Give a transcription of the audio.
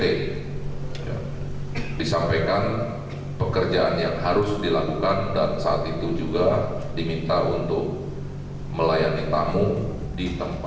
jadi disampaikan pekerjaan yang harus dilakukan dan saat itu juga diminta untuk